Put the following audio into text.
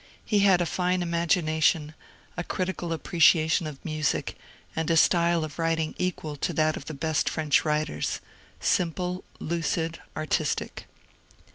He had a fine imagination, a critical appreciation of music, and a style of writing equal to that of the best French writ ers, — simple, lucid, artistic.